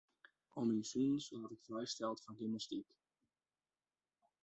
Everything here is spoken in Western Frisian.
Om myn sûnens waard ik frijsteld fan gymnastyk.